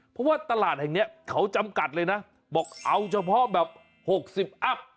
เพราะว่าตลาดแห่งนี้เขาจำกัดเลยนะบอกเอาเฉพาะแบบ๖๐อัพ